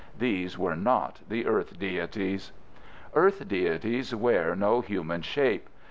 These were not the earth deities. Earth deities wear no human shape.